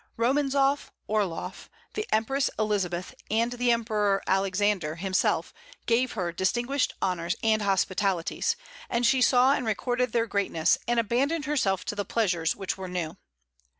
Romanzoff, Orloff, the Empress Elizabeth, and the Emperor Alexander himself gave her distinguished honors and hospitalities, and she saw and recorded their greatness, and abandoned herself to pleasures which were new.